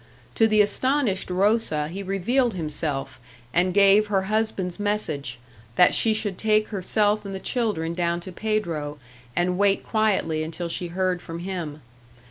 To the astonished Rosa he revealed himself, and gave her husband's message that she should take herself and the children down to Pedro, and wait quietly until she heard from him.